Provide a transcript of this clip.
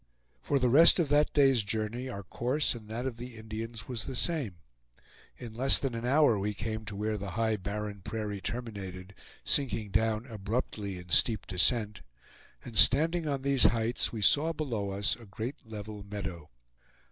For the rest of that day's journey our course and that of the Indians was the same. In less than an hour we came to where the high barren prairie terminated, sinking down abruptly in steep descent; and standing on these heights, we saw below us a great level meadow.